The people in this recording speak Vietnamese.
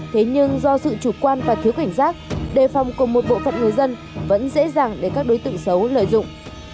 thế nhưng do sự chủ quan và thiếu cảnh giác đề phòng của một bộ phận người dân vẫn dễ dàng để các đối tượng xấu lợi dụng